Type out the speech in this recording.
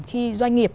khi doanh nghiệp